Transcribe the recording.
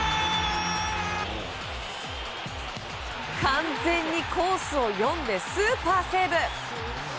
完全にコースを読んでスーパーセーブ。